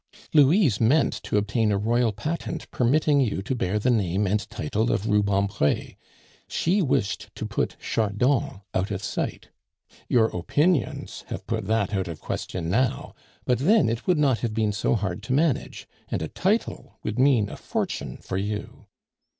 "Louise meant to obtain a royal patent permitting you to bear the name and title of Rubempre. She wished to put Chardon out of sight. Your opinions have put that out of the question now, but then it would not have been so hard to manage, and a title would mean a fortune for you.